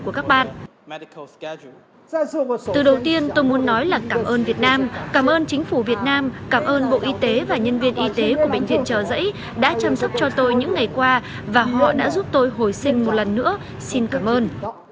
từ đầu tiên tôi muốn nói là cảm ơn việt nam cảm ơn chính phủ việt nam cảm ơn bộ y tế và nhân viên y tế của bệnh viện trợ giấy đã chăm sóc cho tôi những ngày qua và họ đã giúp tôi hồi sinh một lần nữa xin cảm ơn